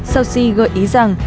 sao si gợi ý rằng